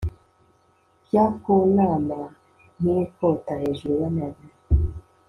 Bya kunama nkinkota hejuru yamavi